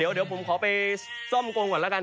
เดี๋ยวผมขอไปซ่อมโกงก่อนแล้วกัน